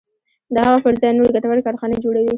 د هغو پر ځای نورې ګټورې کارخانې جوړوي.